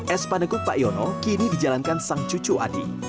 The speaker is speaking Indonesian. es padekut pak yono kini dijalankan sang cucu adik